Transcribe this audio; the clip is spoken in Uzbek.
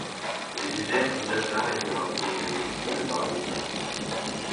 Prezident hujjatlari ijrosining yangi tizimi joriy etiladi